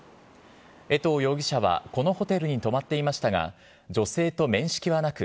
衛藤容疑者はこのホテルに泊まっていましたが、女性と面識はなく、